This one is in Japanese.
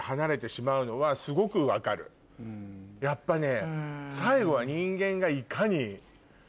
やっぱね。